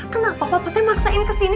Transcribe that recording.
kenapa papa patik maksain kesini